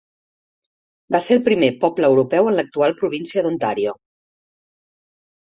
Va ser el primer poble europeu en l'actual província d'Ontario.